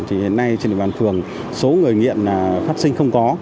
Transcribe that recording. thì hiện nay trên địa bàn phường số người nghiện phát sinh không có